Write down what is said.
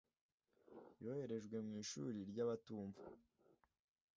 Yoherejwe mu ishuri ry abatumva